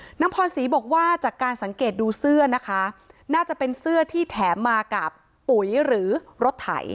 นางพรศรีบอกว่าจากการสังเกตดูเสื้อนะคะน่าจะเป็นเสื้อที่แถมมากับปุ๋ยหรือรถไถ